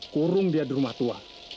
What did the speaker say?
kurung dia di rumah tua